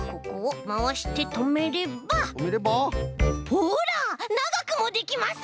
ほらながくもできます！